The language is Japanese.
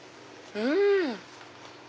うん！